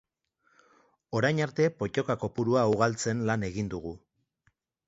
Orain arte pottoka kopurua ugaltzen lan egin dugu.